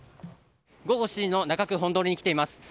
午後７時の中区本通に来ています。